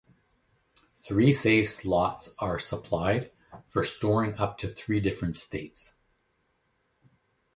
Three save slots are supplied, for storing up to three different states.